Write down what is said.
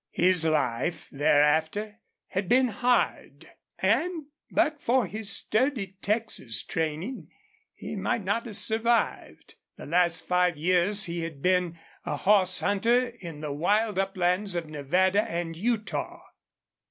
His life thereafter had been hard, and but for his sturdy Texas training he might not have survived. The last five years he had been a horse hunter in the wild uplands of Nevada and Utah.